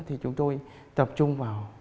thì chúng tôi tập trung vào